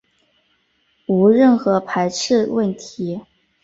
无任何排斥问题